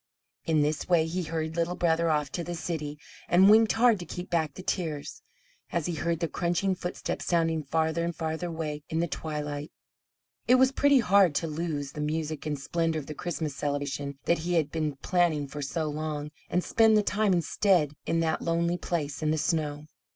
In this way he hurried Little Brother off to the city and winked hard to keep back the tears, as he heard the crunching footsteps sounding farther and farther away in the twilight. It was pretty hard to lose the music and splendour of the Christmas celebration that he had been planning for so long, and spend the time instead in that lonely place in the snow.